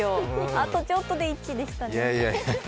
あとちょっとで１位でしたね。